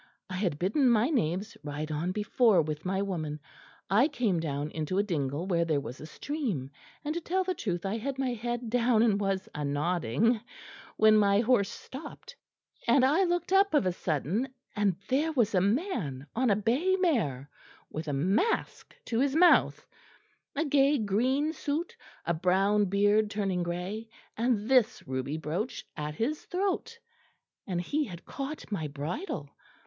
I had bidden my knaves ride on before with my woman; I came down into a dingle where there was a stream; and, to tell the truth, I had my head down and was a nodding, when my horse stopped; and I looked up of a sudden and there was a man on a bay mare, with a mask to his mouth, a gay green suit, a brown beard turning grey, and this ruby brooch at his throat; and he had caught my bridle.